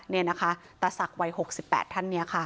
นี่นะคะตาศักดิ์วัย๖๘ท่านเนี่ยค่ะ